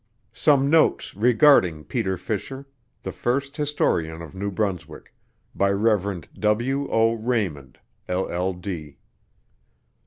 SOME NOTES REGARDING PETER FISHER THE FIRST HISTORIAN OF NEW BRUNSWICK. BY REV. W. O. RAYMOND, LL.D.